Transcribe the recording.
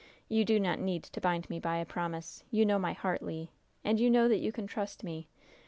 "You do not need to bind me by a promise. You know my heart, Le. And you know that you can trust me!